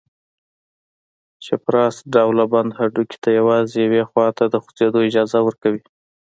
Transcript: چپراست ډوله بند هډوکي ته یوازې یوې خواته د خوځېدلو اجازه ورکوي.